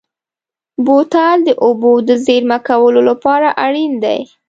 بوتل د اوبو د زېرمه کولو لپاره اړین دی.